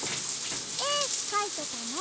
えかいてたの？